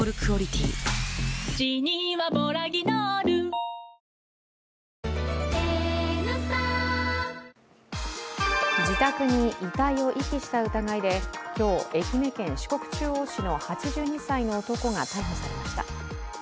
乳酸菌が一時的な胃の負担をやわらげる自宅に遺体を遺棄した疑いで今日、愛媛県四国中央市の８２歳の男が逮捕されました。